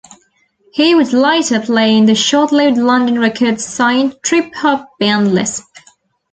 He would later play in the short-lived London Records-signed trip hop band Lisp.